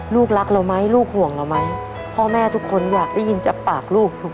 ลูกรักเราไหมลูกห่วงเราไหมพ่อแม่ทุกคนอยากได้ยินจากปากลูก